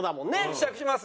試着します？